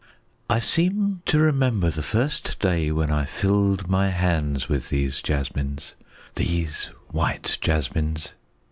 I seem to remember the first day when I filled my hands with these jasmines, these white jasmines.